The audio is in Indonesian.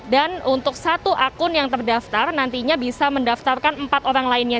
dan untuk satu akun yang terdaftar nantinya bisa mendaftarkan empat orang lainnya